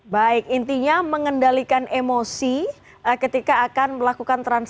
baik intinya mengendalikan emosi ketika akan melakukan transaksi